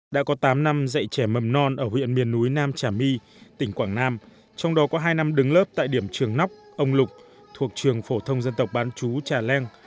đã có tám năm dạy trẻ mầm non ở huyện miền núi nam trà my tỉnh quảng nam trong đó có hai năm đứng lớp tại điểm trường nóc ông lục thuộc trường phổ thông dân tộc bán chú trà leng